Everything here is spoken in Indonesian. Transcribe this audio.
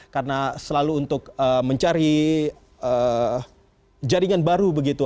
karena selalu untuk mencari jaringan baru begitu